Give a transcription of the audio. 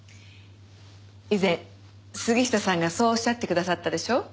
以前杉下さんがそうおっしゃってくださったでしょう？